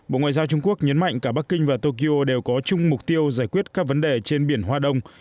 bộ ngoại giao trung quốc nhấn mạnh cả bắc kinh và tokyo đều có chung mục tiêu giải quyết các vấn đề trên biển hoa đông